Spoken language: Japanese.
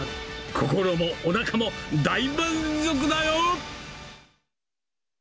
心もおなかも大満足だよ！